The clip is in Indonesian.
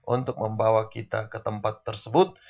untuk membawa kita ke tempat tersebut